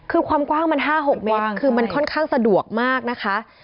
คือความกว้างมัน๕๖เมตรคือมันค่อนข้างสะดวกมากนะคะ